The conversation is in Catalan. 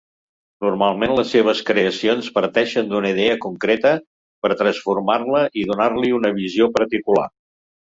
Normalment les seves creacions parteixen d'una idea concreta per transformar-la i donar-li una visió particular.